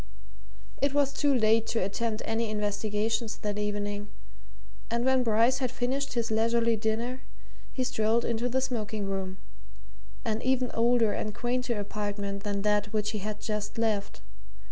It was too late to attempt any investigations that evening, and when Bryce had finished his leisurely dinner he strolled into the smoking room an even older and quainter apartment than that which he had just left.